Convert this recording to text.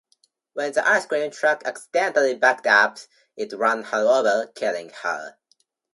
When the ice cream truck accidentally backed up, it ran her over, killing her.